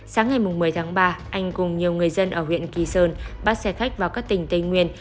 sáng ngày một mươi tháng ba anh cùng nhiều người dân ở huyện kỳ sơn bắt xe khách vào các tỉnh tây nguyên